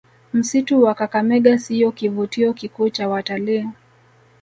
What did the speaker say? Msitu wa Kakamega siyo kivutio kikuu cha watalii